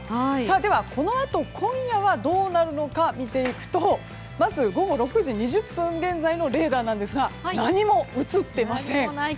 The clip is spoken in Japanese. では、このあと今夜はどうなるのか見ていくとまず、午後６時２０分現在のレーダーなんですが何も映っていません。